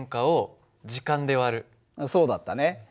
そうだったね。